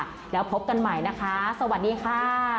แล้วพบกันใหม่นะคะสวัสดีค่ะ